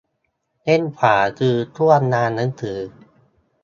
เล่มขวาซื้อช่วงงานหนังสือ